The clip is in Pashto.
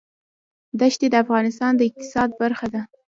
دښتې د افغانستان د اقتصاد برخه ده.